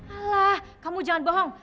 alah kamu jangan bohong